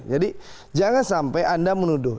jadi jangan sampai anda menuduh